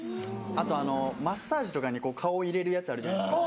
あとマッサージとかに顔入れるやつあるじゃないですか。